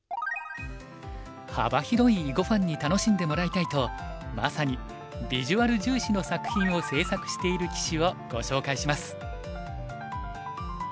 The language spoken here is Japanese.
幅広い囲碁ファンに楽しんでもらいたいとまさにビジュアル重視の作品を制作している棋士をご紹介します。